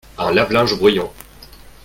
un lave-linge bruyant.